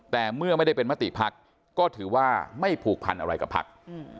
แต่เมื่อไม่ได้เป็นมติภักดิ์ก็ถือว่าไม่ผูกพันอะไรกับพัก